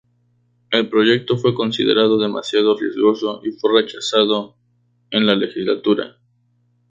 El proyecto fue considerado demasiado riesgoso, y fue rechazado en la legislatura.